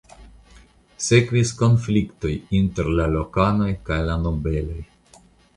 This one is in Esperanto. Sekvis konfliktoj inter la lokanoj kaj la nobeloj.